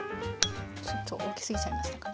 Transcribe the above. ちょっと大きすぎちゃいましたかね。